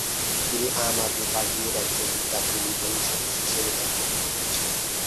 তিনি আম আদমি পার্টি এর একজন জাতীয় নির্বাহী সদস্য হিসেবে দায়িত্ব পালন করছেন।